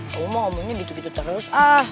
kamu mau ngomongnya gitu gitu terus ah